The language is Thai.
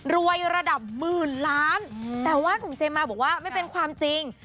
ระดับหมื่นล้านแต่ว่าหนุ่มเจมมาบอกว่าไม่เป็นความจริง